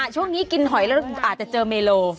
ช่วงนี้กินหอยแล้วอาจจะเจอเมโล